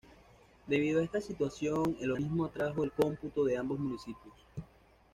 Debido a esta situación, el organismo atrajo el cómputo de ambos municipios.